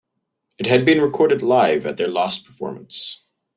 It had been recorded live at their last performance.